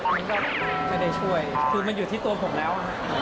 มันก็ไม่ได้ช่วยคือมันอยู่ที่ตัวผมแล้วฮะ